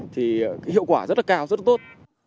thì hiệu quả rất là cao rất là tốt